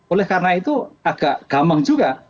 oleh karena itu agak gampang juga